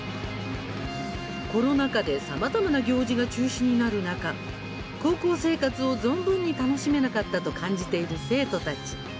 コロナ禍でさまざまな行事が中止になる中、高校生活を存分に楽しめなかったと感じている生徒たち。